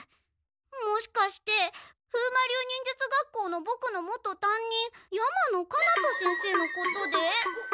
もしかして風魔流忍術学校のボクの元担任山野金太先生のことで？